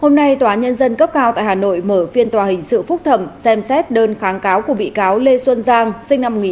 hôm nay tòa nhân dân cấp cao tại hà nội mở phiên tòa hình sự phúc thẩm xem xét đơn kháng cáo của bị cáo lê xuân giang